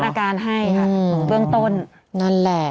จากที่ตอนแรกอยู่ที่๑๐กว่าศพแล้ว